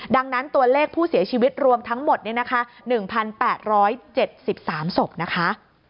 ดังนั้นตัวเลขผู้เสียชีวิตรวมทั้งหมด๑๘๗๓ศพนะคะ